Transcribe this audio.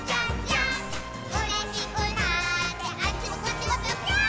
「うれしくなってあっちもこっちもぴょぴょーん」